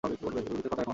গভীরতা কত এখন?